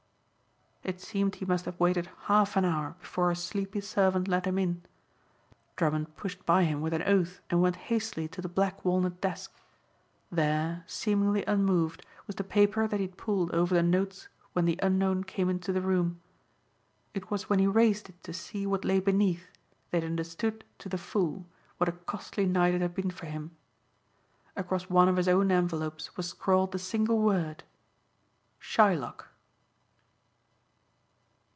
It seemed he must have waited half an hour before a sleepy servant let him in. Drummond pushed by him with an oath and went hastily to the black walnut desk. There, seemingly unmoved, was the paper that he had pulled over the notes when the unknown came into the room. It was when he raised it to see what lay beneath that he understood to the full what a costly night it had been for him. Across one of his own envelopes was scrawled the single word Shylock.